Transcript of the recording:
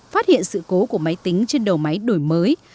phát hiện sự cố của máy tính trên đầu máy đổi mới